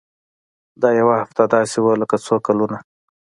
دا يوه هفته داسې وه لکه څو کلونه.